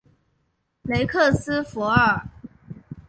雷克斯弗尔。